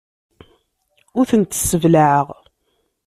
Ur tent-sseblaɛeɣ.